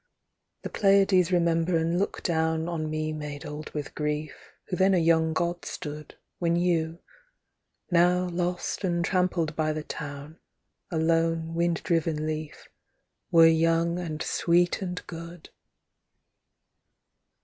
The Pleiades remember and look down On me made old with grief, Who then a young god stood, When you — now lost and trampled by the Town, A lone wind driven leaf, — Were young and sweet and good